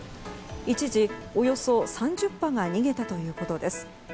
一時およそ３０羽が逃げたということです。